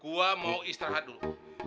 saya mau istirahat dulu